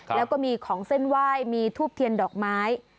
แล้วก็มีของเส้นไหว้มีทูบเทียนดอกไม้